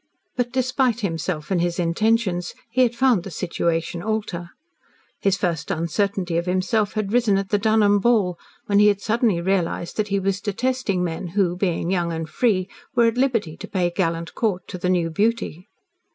But, despite himself and his intentions, he had found the situation alter. His first uncertainty of himself had arisen at the Dunholm ball, when he had suddenly realised that he was detesting men who, being young and free, were at liberty to pay gallant court to the new beauty.